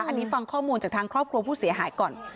อันนี้ฟังข้อมูลจากทางครอบครัวผู้เสียหายก่อน